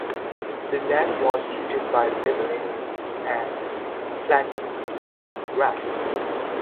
The land was treated by levelling it and planting it with grass.